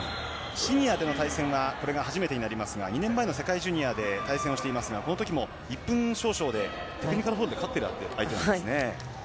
シニアでの対戦はこれが初めてとなりますが２年前の世界ジュニアで対戦していますが１分少々でテクニカルフォールで勝っている選手なんですね。